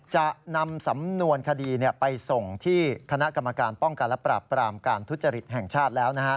จะนำสำนวนคดีไปส่งที่คณะกรรมการป้องกันและปราบปรามการทุจริตแห่งชาติแล้ว